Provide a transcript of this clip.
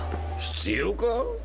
必要か？